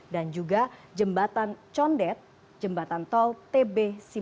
dan juga jembatan condet jembatan tol tb tiga